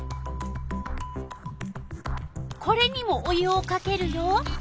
これにもお湯をかけるよ！